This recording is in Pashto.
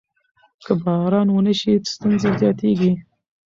که باران ونه شي ستونزې زیاتېږي.